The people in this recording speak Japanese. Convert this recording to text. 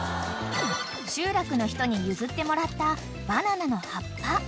［集落の人に譲ってもらったバナナの葉っぱ］